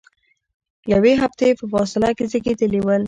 یوې هفتې په فاصله کې زیږیدلي ول.